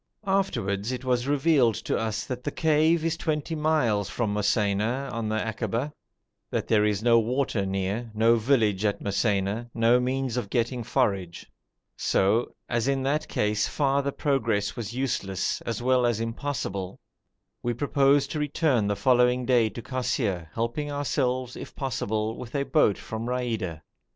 Afterwards it was revealed to us that the cave is twenty miles from Mosaina on the akaba, that there is no water near, no village at Mosaina, no means of getting forage; so, as in that case farther progress was useless, as well as impossible, we proposed to return the following day to Kosseir, helping ourselves, if possible, with a boat from Raida.